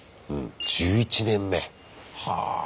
１１年目はあ。